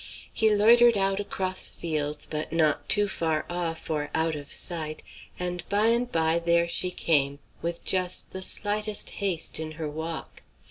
He loitered out across fields, but not too far off or out of sight; and by and by there she came, with just the slightest haste in her walk.